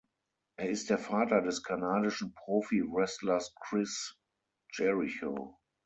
Er ist der Vater des kanadischen Profi-Wrestlers Chris Jericho.